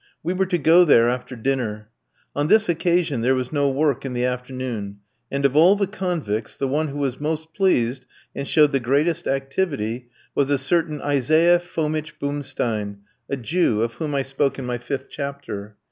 We were to go there after dinner. On this occasion there was no work in the afternoon, and of all the convicts the one who was most pleased, and showed the greatest activity, was a certain Isaiah Fomitch Bumstein, a Jew, of whom I spoke in my fifth chapter.